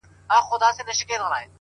خپل ظرفیت وکاروئ تر څو وده وکړئ